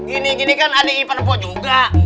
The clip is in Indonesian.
ini gini kan adik ipar po juga